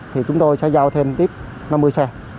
thì chúng tôi sẽ giao thêm tiếp năm mươi xe